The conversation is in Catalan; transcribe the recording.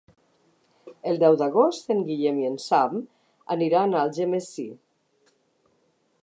El deu d'agost en Guillem i en Sam aniran a Algemesí.